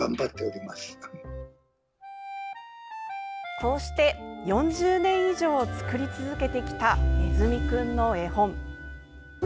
こうして４０年以上作り続けてきたねずみくんの絵本。